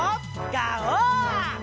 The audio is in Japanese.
ガオー！